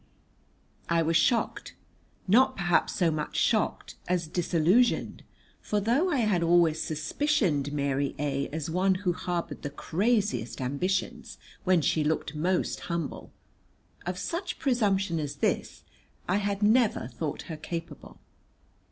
I was shocked, not perhaps so much shocked as disillusioned, for though I had always suspicioned Mary A as one who harboured the craziest ambitions when she looked most humble, of such presumption as this I had never thought her capable.